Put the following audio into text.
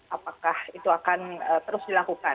apakah itu akan terus dilakukan